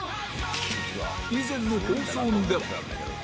以前の放送では